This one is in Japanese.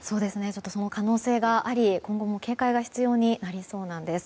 その可能性があり、今後も警戒が必要になりそうです。